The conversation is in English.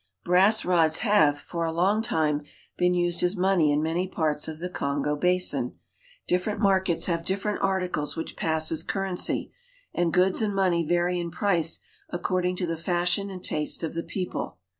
Brass rods have, for a long time, been used as money in many parts of the Kongo basin. Different markets have different articles which pass as currency, and goods and money vary in price according to the fashion and taste of the people.